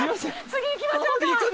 次行きましょうか。